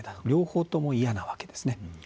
両方とも嫌なわけですね。